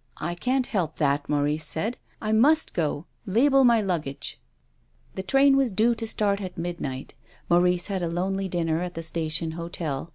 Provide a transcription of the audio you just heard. " I can't help that," Maurice said. " I must go. Label my luggage." 256 TONGUES OF CONSCIENCE. The train was due to start at midnight. Mau rice had a lonely dinner at the station hotel.